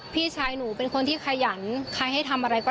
แต่ก็ไม่รู้ว่าวันนี้จะเป็นอย่างไรค่ะ